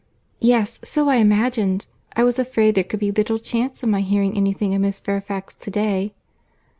"Yes, so I imagined. I was afraid there could be little chance of my hearing any thing of Miss Fairfax to day."